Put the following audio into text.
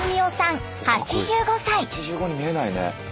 ８５に見えないね。